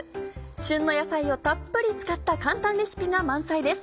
旬の野菜をたっぷり使った簡単レシピが満載です。